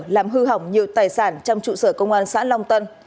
làm hư hỏng nhiều tài sản trong trụ sở công an xã long tân